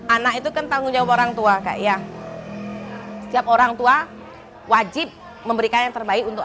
anak itu kan tanggung jawab orang tua kak ya setiap orang tua wajib memberikan yang terbaik untuk